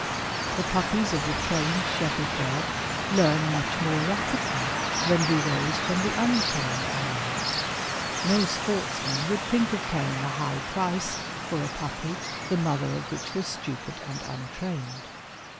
The puppies of the trained shepherd dog learn much more rapidly than do those from the untrained animal. No sportsman would think of paying a high price for a puppy, the mother of which was stupid and untrained.